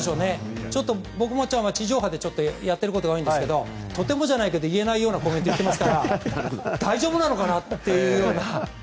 僕は地上波でやってることが多いんですがとてもじゃないけど言えないコメントも言っていますから大丈夫なのかな？という。